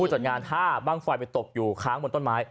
จัดงานถ้าบ้างไฟไปตกอยู่ค้างบนต้นไม้